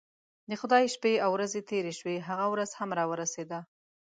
د خدای شپې او ورځې تیرې شوې هغه ورځ هم راورسېده.